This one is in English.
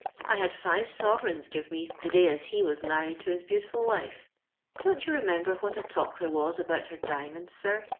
I had live soverei^n^ t:ivo me the day as he Wiis mju'ried t"» his beautiful wife. Don't you reniembor what a talk there was about her diamonds, sir?